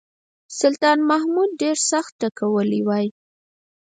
سلطان محمود ډېر سخت ټکولی وای.